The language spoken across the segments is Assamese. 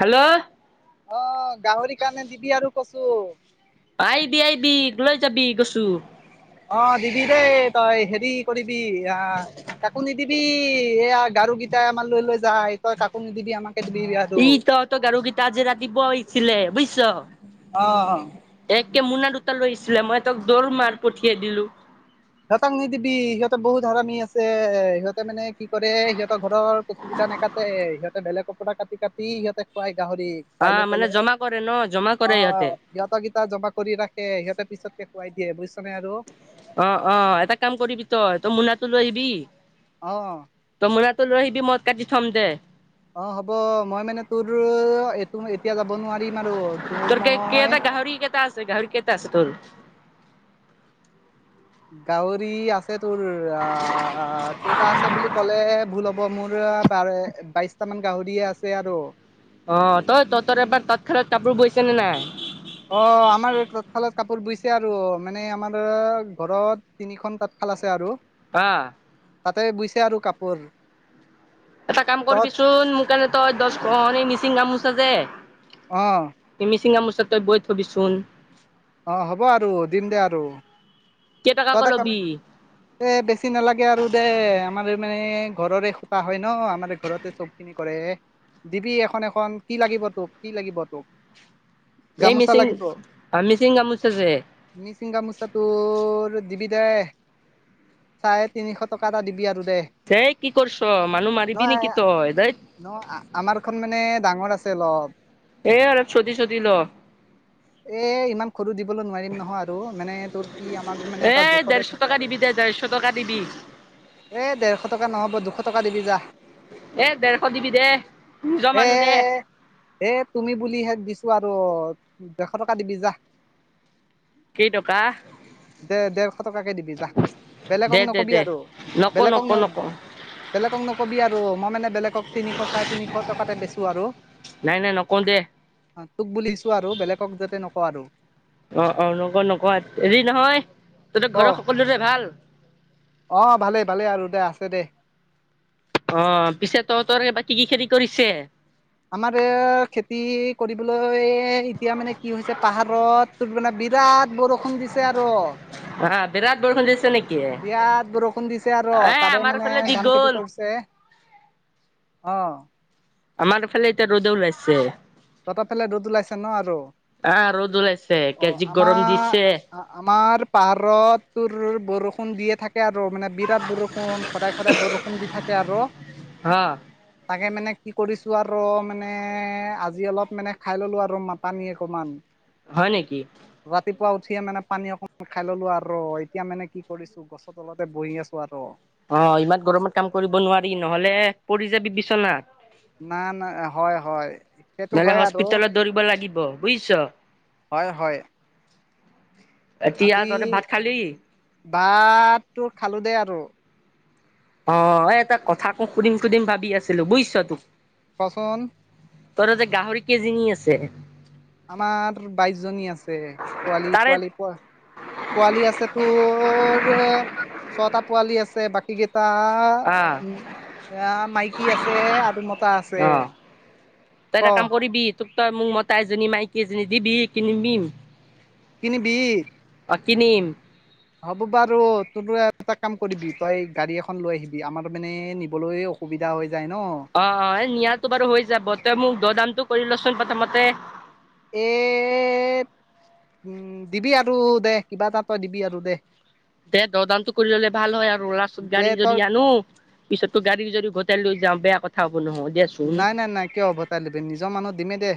হেল্ল' অ গাহৰি কাৰণে দিবি আৰু কচু আইবি আইবি লৈ যাবি কচু্। অ দিবি দেই তই হেৰি কৰিবি আহ কাকো নিদিবি এইয়া গাৰু কেইটাই আমাৰ লৈ লৈ যায় তই কাকো নিদিবি আমাক ই তহঁত গাৰুকেইটা আজি ৰাতিপুৱা আহিছিলে বুইছ অ একে মোনা দুটা লৈছিলে মই তক দৌৰ মাৰ পঠিয়াই দিলো। সিহঁতক নিদিবি সিহঁতে বহুত হাৰামি আছে সিহঁতে মানে কি কৰে সিহঁতৰ ঘৰৰ কচু কেইটা নেকাটে সিহঁতে বেলেগৰ পৰা কাটি কাটি সিহঁতে খুৱায় গাহৰিক। অ খুৱাই লৈ মানে জমা কৰে ন জমা কৰে ইহঁতে। সিহঁতকিতা জমা কৰি ৰাখে সিহঁতে পিছতকে খুৱাই দিয়ে বুজিছনে আৰু অ অ এটা কাম কৰিবি তই তো মোনাটো লৈ আহিবি অ তোৰ মোনাটো লৈ আহিবি মই কাটি থম দে। অ হ'ব মই মানে তোৰো এইটো এতিয়া যাব নোৱাৰিম আৰু তোৰ মই তুই গাহৰি কেইটা আছে তোৰ? গাহৰি আছে তোৰ আ কেইটা আছে বুলি ক'লে ভুল হ'ব ব মোৰ আ বাৰ বাইশটামান গাহৰি আছে আৰু। অ তই তঁহতৰ এবাৰ তাঁতশালত কাপোৰ বৈছে নে নাই? অ আমাৰ তাঁতশালৰ কাপোৰ বুইছে আৰু মানে আমাৰ ঘৰত তিনিখন তাঁতশাল আছে আৰু। পা তাতে বুইছে আৰু কাপোৰ। এটা কাম তত কৰিবিচোন মোৰ কাৰণে তই দহ [unintelligible] মিচিং গামোছা যে অ এই মিচিং গামোচা তই বৈ থবিচোন। অ হ'ব আৰু দিম দে আৰু তই কেইটকাকে এটা কাম ল'বি এ বেছি নালাগে আৰু দে আমাৰ মানে ঘৰৰে সুতা হয় ন আমাৰ ঘৰতে চ- কি কৰে দিবি এখন এখন কি লাগিব তোক কি লাগিব তোক এই গামোচা মিচিং লাগিব অ মিচিং গামোচা যে মিচিং গামোছাতো তোৰ দিবি দে, চাৰে তিনিশ টকা এটা দিবি আৰু দে। হেই কি কৰিছ মানুহ মাৰিবি নহয় নেকি তই ধেৎত। ন আমাৰ খন মানে ডাঙৰ আছে অলপ। এ অলপ চুটি চুটি ল। এ ইমান সৰু দিবলৈ নোৱাৰিম নহয় আৰু মান এ ডেৰশ টকা আৰু দিবি দে ডেৰশ টকা দিবি। এই ডেৰশ টকা নহ'ব দুশ টকা দিবি যা। এ ডেৰশ দিবি দে, নিজৰ এ মানুহ দে। এ তুমি বুলি শে দিছো আৰু ডেৰশ টকা দিবি যাহ। কেই টকা। দে ডেৰশ টকাকে দিবি যা বেলেগক নকবি আৰু নকওঁ বেলেগক নকওঁ নকওঁ নক বেলেগক নকবি আৰু মই মানে বেলেগক তিনিশ চাৰে তিনিশ টকাতে বেচো আৰু। নাই নাই নকও দে। তোক বুলি দিছো আৰু বেলেগক যাতে নকওঁ আৰু। অ অ নকও নকও হেৰি নহয়, তহঁতৰ ক ঘৰৰ সকলোৰে ভাল? অ ভালেই ভালেই আৰু দে আছে দে। অ পিছে তহঁতৰ বাকী কি কি খেতি কৰিছে? আমাৰ এ খেতি কৰিবলৈএ এতিয়া মানে কি হৈছে পাহাৰত তোৰ মানে বিৰাট বৰষুণ দিছে আৰু। অ বিৰাট বৰষুণ দিছে নেকি? বিয়াত বৰষুণ দিছে আৰু এ তাৰে আমাৰ মানে ফালে দি ধান খেতি গ'ল কৰিছে। অৱ। আমাৰ ফালে এতিয়া ৰ'দে ওলাইছে। তহঁতৰ ফালে ৰ'দ ওলাইছে ন আৰু, আহ ৰ'দ ওলাইছে অ কেজি গৰম দিছে আমাৰ আমাৰ পাহাৰত তোৰ বৰষুণ দিয়ে থাকে। থাকে আৰু মানে বিৰাট বৰষুণ সদায় সদায় বৰষুণ দি থাকে আৰু হা তাকে মানে কি কৰিছো আৰু মানে আজি অলপ মানে খাই ললো আৰু মাটানী অকমান। হয় নেকি। ৰাতিপুৱা উঠিয়ে মানে পানী অকমান খাই ললো আৰু এতিয়া মানে কি কৰিছো। গছৰ তলতে বহি আছোঁ আৰু। অ ইমান গৰমত কাম কৰিব নোৱাৰি নহ'লে পৰি যাবি বিচনাত। না না হয় হয় সেইটো হয় আৰু। ধৰিব লাগিব বুজিছ। হয় হয়। এতিয়া আজি তহঁতে ভাত খালি ভাতটো খালো দেই আৰু। অ এ এটা কথাকো সুধিম সুধিম ভাবি আছিলো বুজিছ তোক। কচোন। তই তাতে গাহৰি কেইজনী আছে? আমাৰ বাইশজনী আছে, পোৱালি তাৰে পোৱালি পোৱালি আছে তোৰ ছটা পোৱালি আছে বাক বাকীকেইটা অ এ মাইকী আছে আৰু মটা আছে। যি এটা ক কাম কৰ তোক তই মোক মতা এজনী, মাইকী এজনী দিবি কিনিমিম। কিনিবি? অ কিনিম। হ'ব বাৰু, তোৰো এটা কাম কৰিবি, তই গাড়ী এখন লৈ আহিবি আমাৰ মানে নিবলৈ অ সুবিধা হৈ যায় ন। অ অ, এই নিয়াটো বাৰু হৈ যাব, তই মোক দ দামটো কৰি লচোন প্ৰথমতে। এত উম দিবি আৰু দে কিবা এটা তই দিবি আৰু দে। দে দ দামটো কৰি ললে ভাল হয় আৰু লাষ্টত দে গাড়ী যদি তই আনো। পিছতো গাড়ীৰ যদি গোটে লৈ যাওঁ, বেয়া কথা হব নহয় দিয়াচো নাই নাই নাই, কিয় হ'ব তাই লবি নিজৰ মানুহত দিমে দে।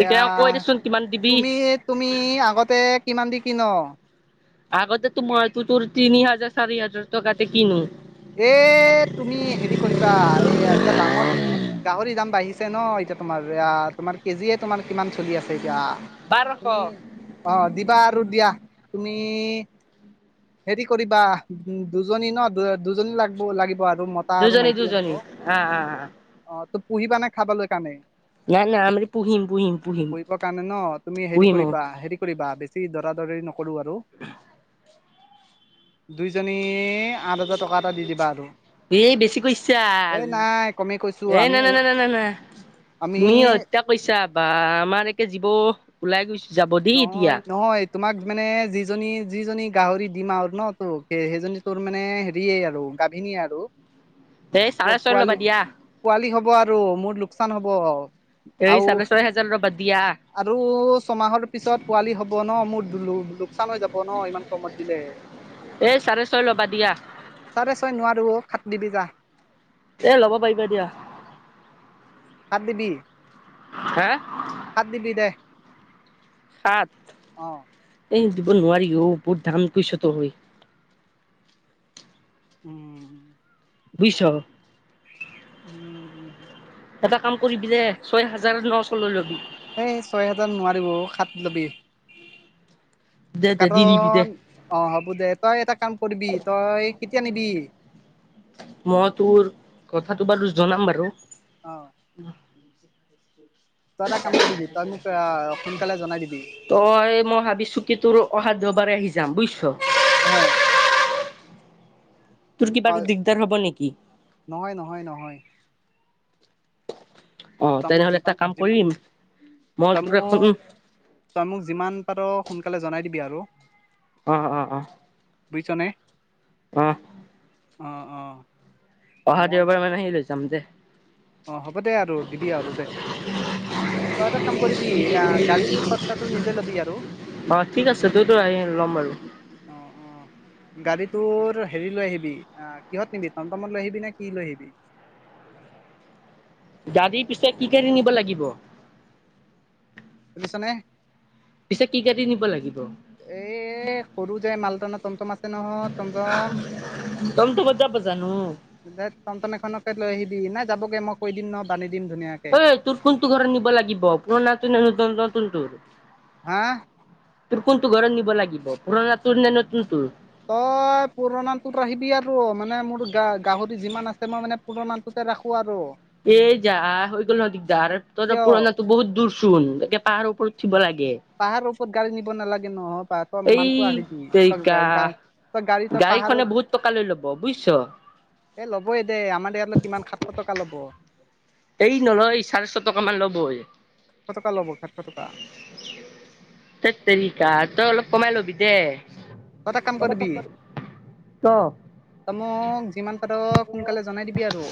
এয়া, কৈ দেচোন কিমান দিবি তুমি - তুমি আগতে কিমান দি কিন? আগতেতো তোমাৰটো তোৰ তিনি হাজাৰ - চাৰি হাজাৰ টকাতে কিনো। এ তুমি হেৰি কৰিবা, এ এটা ডাঙৰ গাহৰি দাম বাঢ়িছে ন এতিয়া তোমাৰ আ তোমাৰ কেজিয়ে তোমাৰ কিমান চলি আছে? য়া, বাৰশ তুমি অহ দিবা আৰু দিয়া, তুমি হেৰি কৰিবা, দু দুজনী ন দু দুজনী লাগব লাগি ব আৰু মতা আৰু দুজনী মাইকী লাগিব, দুজনী হা হা হা অ তো পুহিবা নে খাবলৈ কাৰণে? নাই নাই আমি পুহিম পুহিম পুহিম ফুৰিব কাৰণে ন, তুমি হেৰি পুহিম অ কৰিবা হেৰি কৰিবা বেছ ছি দৰা দৰি নকৰো আৰু দুইজনী আৰ হাজাৰ টকা এটা দি দিবা আৰু। এই বেছিকৈ ইছাল, এই নাই কমেই কৈছো এ আমি না না না না না। আমি পইছা বা আমাৰ একে জীৱ ওলাই গৈছ যাব দি এতিয়া। নহয় নহয় তোমাক মানে যিজনী - যিজনী গাহৰি দিম আৰু ন তোক সেইজনী তোৰ মানে হেৰিয়ে আৰু গাভিনী আৰু। [unintelligible] চাৰে ছয় ল'বা পো-পোৱালি দিয়া পোৱালি হব আৰু মোৰ লোকচান হব। এই আৰু চাৰে ছয় হাজাৰ ল'বা দিয়া - আৰু ছমাহৰ পিছত পোৱালি হ'ব ন, মোৰ দু লো লোকচান হৈ যাব ন, ইমান কমত দিলে। এই চাৰে ছয় ল'বা দিয়া। চাৰে ছয় নোৱাৰো, সাত দিবি যা। এ ল'ব পাৰিবা দিয়া। সাত দিবি? হে! সাত দিবি দে। সাত? অ। এ দিব নোৱাৰি অ, বহুত দাম কৈছ তই। উম উ। বুজিছ? উম উম উ। এটা কাম কৰিবি যে ছয় হাজাৰ নশ লৈ লবি। এই ছয় হেজাৰ নোৱাৰিব অ সাত ল'বি। দে দে দি দিবি দে কাৰণ অ হ'ব দে, তই এটা কাম কৰিবি, তই কেতিয়া নিবি? মই তোৰ, কথাটো বাৰু জনাম বাৰু। অ'। উম। তই এটা কাম কৰিবি, তই মোক আ সোনকালে জনাই দিবি। তই মই ভাবিছো কি তোৰ অহা দেওবাৰে আহি যাম বুজিছ। অ'। তোৰ কিবা তই দিগদাৰ হ'ব নেকি? নহয়, নহয়, নহয়। অ', তই মোক তেনেহলে এটা যিমান কাম যিমান কৰিম, তই মই তোৰ এখন মোক তই মোক যিমান পাৰ সোনকালে জনাই দিবি আৰু। অ' অ' অ'। বুজিছ নে? অ অ' অ'। অহা মই মান দেওবাৰে মানে সি লৈ যাম দে। অ', হ'ব দে আৰু দিবি আৰু দে। তই এটা কাম কৰিবি, গাড়ী খৰচাটো নিজে ল'বি আৰু। অ', ঠিক আছে তোৰতো আহি ল'ম বাৰু। [inaudible] গাড়ীতোৰ হেৰি লৈ আহিবি, কিহত নিবি, টমটমত লৈ আহিবি নে, কি লৈ আহিবি? গাড়ী পিছে, কি গাড়ী নিব লাগিব। শুনিছনে? পিছে কি গাড়ী নিব লাগিব। এ সৰু যে মালটানা টমটম আছে নহয়। টমটম। টমটমত যাব জানো দে টমটম এখনতে লৈ আহিবি, নাই যাবগে মই কৈ দিম ন বান্ধি দিম ধুনীয়াকৈ। ঐ তোৰ কোনটো ঘৰত নিব লাগিব, পুৰণাটো নে নতুন তোৰ? হা? তোৰ কোনটো ঘৰত নিব লাগিব, পুৰণা তোৰ নে নতুন তোৰ? তই পুৰণাটোত আহিবি আৰু, মানে মোৰ গা গাহৰি যিমান আছে মই মানে পুৰণাটোতে ৰাখোঁ আৰু। এই যা হৈ গ'ল ন দিগদাৰ, যাৰ ত কিয় পুৰণা ত বহুত দূৰচোন একেই পাহাৰ ওপৰত উঠিব লাগে। পাহাৰৰ ওপৰত গাড়ী নিব নালাগে নহয়, পাহাৰখন তই এই মানুহটো আহে দি তই তেৰিকা গাড়ী তই তই গাড়ীখনে পাহাৰত বহুত টকা লয় ল'ব বুইছ। এ ল'বই দে, আমাৰ ইয়ালৈ কিমান সাতশ টকা ল'ব। সেই নলয়, চাৰেশ টকামান ল'ব। সাতশ টকা ল'ব, সাতশ টকা। হেত তেৰিকা, তই অলপ কমাই ল'বি দে। তই এটা কাম কৰিবি। অ তই মোক যিমান পাৰ সোনকালে জনাই দিবি আৰু।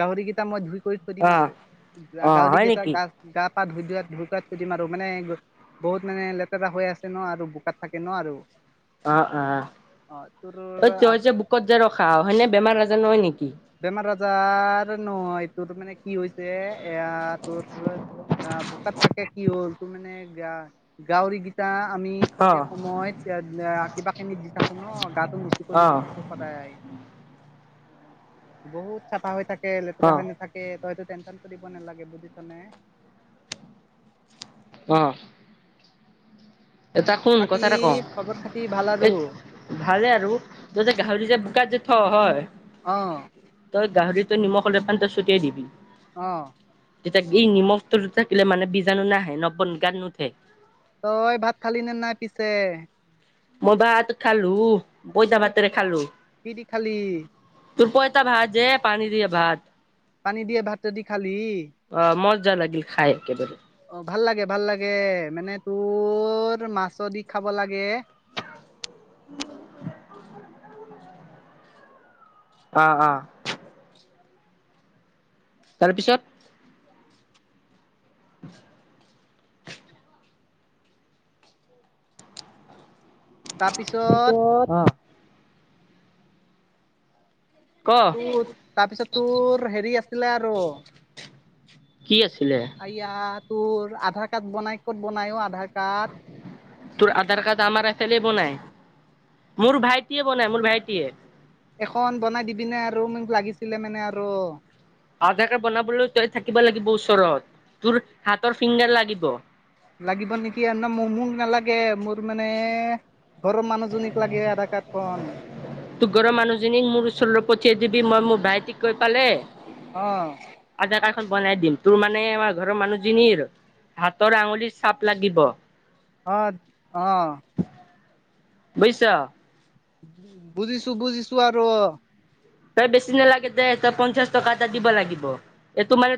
গাহৰি কেইটা মই ধুই কৰি থৈ দিম অ আৰু, অ হয় গাহৰিকেইটা নেকি গা গা পা ধুই ধোৱাত ধুইকোৱাত থৈ দিম আৰু, মানে বহুত মানে লেতেৰা হৈ আছে ন আৰু। তাত থাকে ন আৰু। অ' অ', অ তোৰ তই যে বুকত যে ৰখা সেনে বেমাৰ আজাৰ নহয় নেকি? বেমাৰ আজাৰ নহয়, এইটোৰ মানে কি হৈছে যে এয়া তোৰ অ বোকাত থাকে কি হ'ল, টো মানে গা গাউৰি গেইটা আমি অ দিয়া সময়ত কিবা কিনি দি থাকো ন গা মচি অ কৰি দি থাকো সদায়। বহুত চাফা হৈ থাকে লেতেৰা হৈ নাথাকে তই সেতো টেনচন কৰিব নালাগে বুজিছনে। অ। এটা শুন বাকী কথা এটা কওঁ খবৰ খাতি ভাল এই আৰু ভালে আৰু তই যে গাহৰিটো যে বোকাত যে থ হয় অ। তই গাহৰিটো নিমখ অলপমান তই ছটিয়াই দিবি। অ। তেতিয়া ই নিমখটো থাকিলে মানে বীজাণু নাহে নবন গাত নুঠে। অ ভাত খালি নে নাই পিছে? মই ভাত খালো কি পইতা দি ভাতেৰে খালো। কি দি খালি? তোৰ পইতা ভাত যে পানী দিয়ে ভাত। পানী দিয়ে ভাতেদি খালি। অ মজা লাগিল খাই একেবাৰে। অ ভাল লাগে ভাল লাগে মানে তোৰ মাছৰ দি খাব লাগে। [inaudible] অ অ। তাৰপিছত [unintelligible] তাৰপিছত অ ক তাৰপিছত তোৰ হেৰি আছিলে আৰু কি আছিলে? আয়া তোৰ আধাৰ কাৰ্ড বনাই ক'ত বনায়ো আধাৰ কাৰ্ড? তোৰ আধাৰ কাৰ্ড আমাৰ এফেলে বনাই মোৰ ভাইটিয়ে বনাই মোৰ ভাইটিয়ে। এখন বনাই দিবিনে আৰু মোক লাগিছিলে মানে আৰু। আধাৰ কাৰ্ড বনাবলৈ তই থাকিব লাগিব ওচৰত তোৰ হাতৰ ফিংগাৰ লাগিব। লাগিব নেকি মোৰ মোক নালাগে মোৰ মানে ঘৰৰ মানুহজনীক লাগে আধাৰ কাৰ্ড খন। তোৰ ঘৰৰ মানুহজনীক মোৰ ওচৰলৈ পঠিয়াই দিবি মই মোৰ ভাইটিক কৈ পালে অ। আধাৰ কাৰ্ড খন বনাই দিম তোৰ মানে আমাৰ ঘৰৰ মানুহজনিৰ হাতৰ আঙুলিৰ চাপ লাগিব। অ অ। বুজিছ। বুজিছো বুজিছো আৰু। তই বেছি নালাগে দে তই পঞ্চাশ টকা এটা দিব লাগিব এইটো মানে